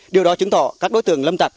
điều đó chứng tỏ các đối tượng lâm tặc